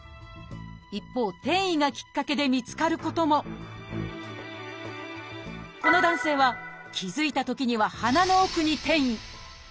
一方転移がきっかけで見つかることもこの男性は気付いたときには鼻の奥に転移。